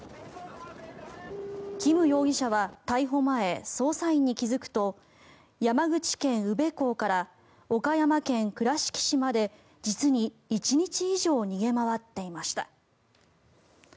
キム容疑者は逮捕前捜査員に気付くと山口県・宇部港から岡山県倉敷市まで実に１日以上逃げ回っていました。